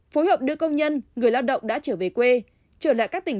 phối hợp đưa công nhân người lao động đã trở về quê trở lại các tỉnh